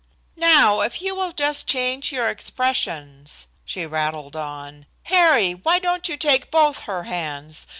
"Now if you will just change your expressions," she rattled on. "Harry, why don't you take both her hands?